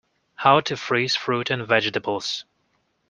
How to freeze fruit and vegetables.